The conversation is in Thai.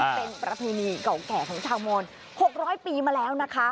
เป็นประเพณีเก่าแก่ของชาวมอนหกร้อยปีมาแล้วนะคะโอ้โห